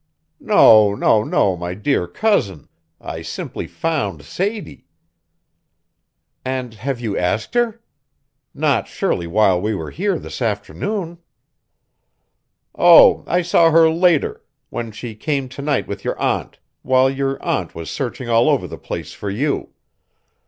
"No, no, no, my dear cousin. I simply found Sadie." "And have you asked her? Not surely while we were here this afternoon." "Oh, I saw her later when she came to night with your aunt, while your aunt was searching all over the place for you.